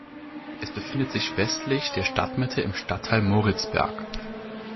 Es befindet sich westlich der Stadtmitte im Stadtteil Moritzberg.